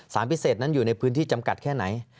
พิเศษนั้นอยู่ในพื้นที่จำกัดแค่ไหน